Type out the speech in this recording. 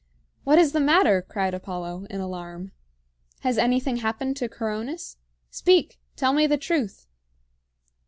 "What is the matter?" cried Apollo, in alarm. "Has anything happened to Coronis? Speak! Tell me the truth!"